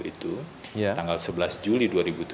itu tanggal sebelas juli